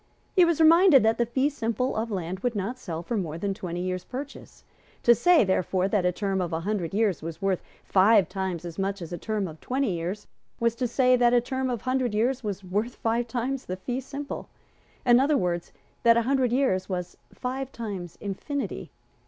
He was reminded that the fee simple of land would not sell for more than twenty years' purchase. To say, therefore, that a term of a hundred years was worth five times as much as a term of twenty years, was to say that a term of a hundred years was worth five times the fee simple; in other words, that a hundred was five times infinity.